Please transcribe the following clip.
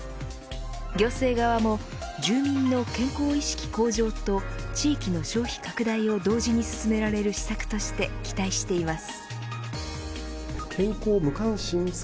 行政側も、住民の健康意識向上と地域の消費拡大を同時に進められる施策として期待しています。